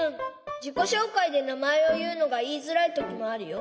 じこしょうかいでなまえをいうのがいいづらいときもあるよ。